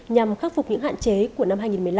nhằm khắc phục những hạn chế của năm hai nghìn một mươi năm